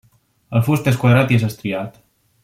El fust és quadrat i és estriat.